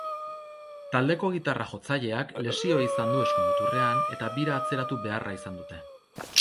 Taldeko gitarra-jotzaileak lesioa izan du eskumuturrean, eta bira atzeratu beharra izan dute.